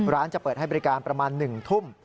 จะเปิดให้บริการประมาณ๑ทุ่ม